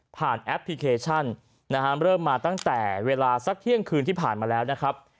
แอปพลิเคชันนะฮะเริ่มมาตั้งแต่เวลาสักเที่ยงคืนที่ผ่านมาแล้วนะครับ